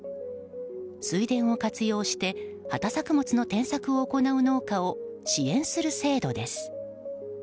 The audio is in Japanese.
水田を活用して畑作物の転作を行う農家を支援する制度です。